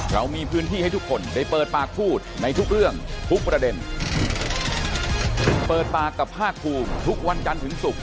เรามีพื้นที่ให้ทุกคนได้เปิดปากพูดในทุกเรื่องทุกประเด็นเปิดปากกับภาคภูมิทุกวันจันทร์ถึงศุกร์